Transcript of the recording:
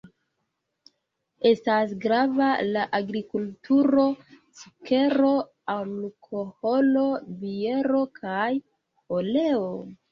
Estas grava la agrikulturo: sukero, alkoholo, biero kaj oleo.